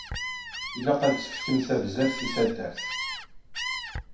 Ilaq ad tefkemt tabzert i taddart.